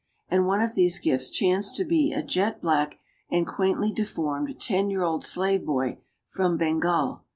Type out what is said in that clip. And one of these gifts chanced to be a jet black and quaintly de formed ten year old slave boy, from Bengal.